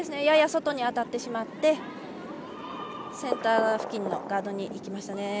やや外に当たってしまってセンター付近のガードにいきました。